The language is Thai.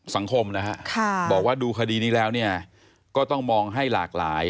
สังคมนะฮะบอกว่าดูคดีนี้แล้วเนี่ยก็ต้องมองให้หลากหลาย